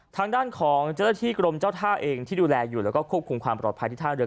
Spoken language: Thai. ทางด้านของเจ้าหน้าที่กรมเจ้าท่าเองที่ดูแลอยู่แล้วก็ควบคุมความปลอดภัยที่ท่าเรือ